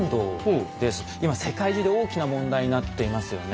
今世界中で大きな問題になっていますよね。